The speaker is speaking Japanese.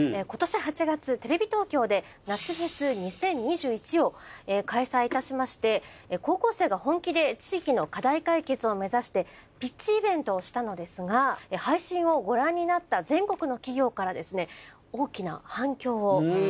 今年８月テレビ東京で夏フェス２０２１を開催いたしまして高校生が本気で地域の課題解決を目指してピッチイベントをしたのですが配信をご覧になった。うれしいですね。